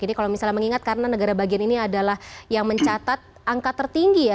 ini kalau misalnya mengingat karena negara bagian ini adalah yang mencatat angka tertinggi ya